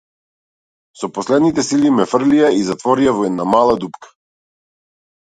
Со последните сили ме фрлија и затворија во една мала дупка.